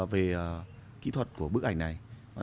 về kỹ thuật của bức ảnh này